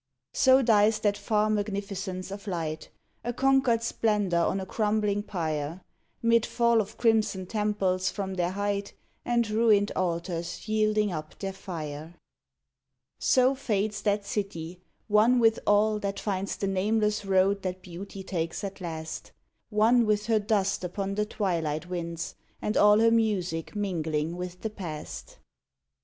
So dies that far magnificence of light, A conquered splendor on a crumbling pyre, Mid fall of crimson temples from their height And ruined altars yielding up their fire. 104 THE EVANESCENT CITY So fades that city, one with all that finds The nameless road that Beauty takes at last One with her dust upon the twilight winds And all her music mingling with the Past.